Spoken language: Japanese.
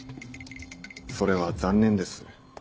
それは残念です。